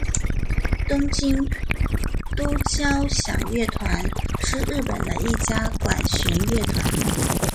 东京都交响乐团是日本的一家管弦乐团。